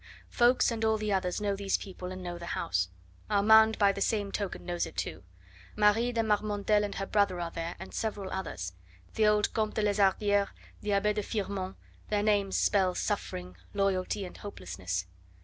Ffoulkes and all the others know these people and know the house; Armand by the same token knows it too. Marie de Marmontel and her brother are there, and several others; the old Comte de Lezardiere, the Abbe de Firmont; their names spell suffering, loyalty, and hopelessness.